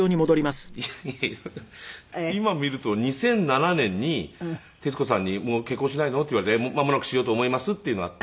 いや今見ると２００７年に徹子さんに「結婚しないの？」って言われて「間もなくしようと思います」っていうのがあって。